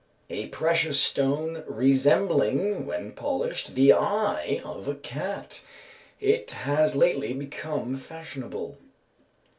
_ A precious stone, resembling, when polished, the eye of a cat. It has lately become fashionable.